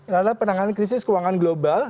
adalah penanganan krisis keuangan global